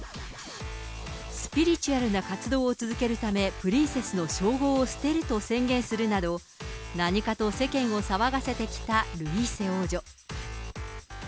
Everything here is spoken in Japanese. スピリチュアルな活動を続けるため、プリンセスの称号を捨てると宣言するなど、何かと世間を騒がせてきたルイーセ王女。